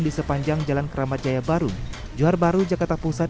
di sepanjang jalan keramat jaya baru johar baru jakarta pusat